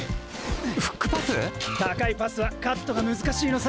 フックパス⁉高いパスはカットが難しいのさ！